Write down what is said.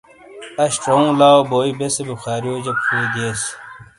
آش ژوُوں لاؤ بوئی بیسے بخاریوجا پھُو دئیس